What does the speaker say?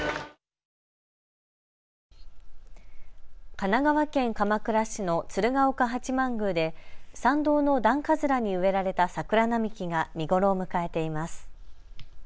神奈川県鎌倉市の鶴岡八幡宮で参道の段葛に植えられた桜並木が見頃を迎えています。